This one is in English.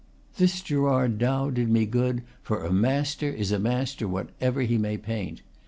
This Gerard Dow did me good; for a master is a master, whatever he may paint.